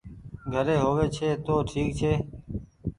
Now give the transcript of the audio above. گھري هووي ڇي تو ٺيڪ ڇي۔